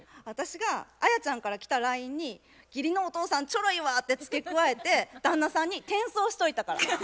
私がアヤちゃんから来たラインに「義理のお父さんちょろいわ」って付け加えて旦那さんに転送しといたから。